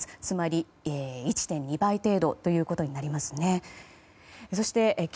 つまり１．２倍程度ということになりますね。